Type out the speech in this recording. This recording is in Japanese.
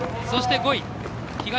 そして５位。